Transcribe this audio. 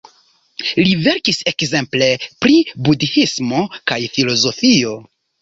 Li verkis ekzemple pri budhismo kaj filozofio.